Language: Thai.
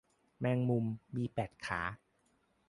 แมงมุม มีแปดขา